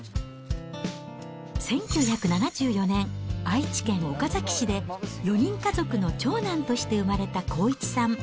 １９７４年、愛知県岡崎市で４人家族の長男として生まれた康一さん。